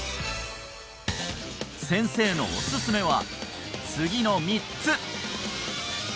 先生のおすすめは次の３つ